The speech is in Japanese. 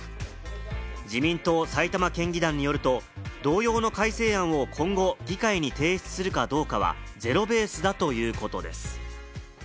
自民党埼玉県議団によると、同様の改正案を今後、議会に提出するかどうかは、ゼロベースだということです。